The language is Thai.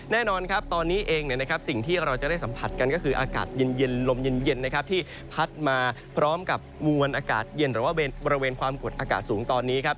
แน่นอนครับตอนนี้เองสิ่งที่เราจะได้สัมผัสกันก็คืออากาศเย็นลมเย็นนะครับที่พัดมาพร้อมกับมวลอากาศเย็นหรือว่าบริเวณความกดอากาศสูงตอนนี้ครับ